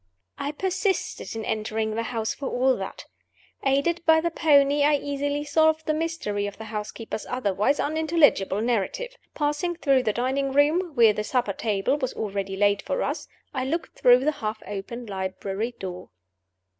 I persisted in entering the house, for all that. Aided by the pony, I easily solved the mystery of the housekeeper's otherwise unintelligible narrative. Passing through the dining room (where the supper table was already laid for us), I looked through the half opened library door.